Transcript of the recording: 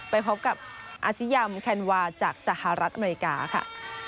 ไปพบกับอาซิยัมแคนวาจากสหรัฐอเมริกาค่ะ